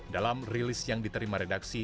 dalam rilis yang diterima redaksi